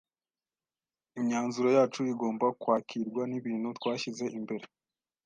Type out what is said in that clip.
imyanzuro yacu igomba kwakirwa nibintu twashyize imbere